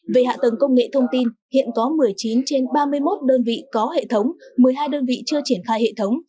về hạ tầng công nghệ thông tin hiện có một mươi chín trên ba mươi một đơn vị có hệ thống một mươi hai đơn vị chưa triển khai hệ thống